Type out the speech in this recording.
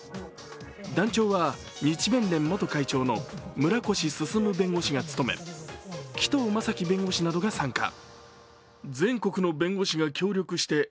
団長は日弁連元会長の村越進弁護士が務め紀藤正樹弁護士などが参加。